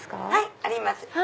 はいあります。